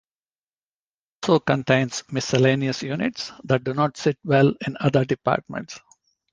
It also contains miscellaneous units that do not sit well in other departments.